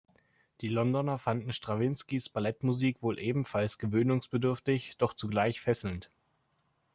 Die Londoner fanden Strawinskys Ballettmusik wohl ebenfalls gewöhnungsbedürftig, doch zugleich fesselnd.